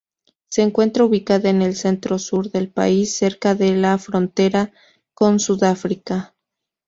Se encuentra ubicada en el centro-sur del país, cerca de la frontera con Sudáfrica.